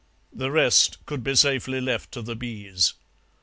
The rest could be safely left to the bees.